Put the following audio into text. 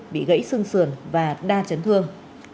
bị gãy xương sườn và đa chấn thương